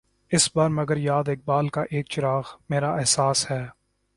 اس بار مگر یاد اقبال کا ایک چراغ، میرا احساس ہے